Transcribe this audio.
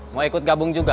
mau ikut gabung juga